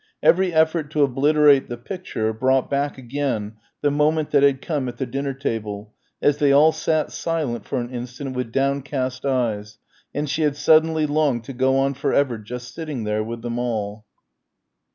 Every effort to obliterate the picture brought back again the moment that had come at the dinner table as they all sat silent for an instant with downcast eyes and she had suddenly longed to go on for ever just sitting there with them all.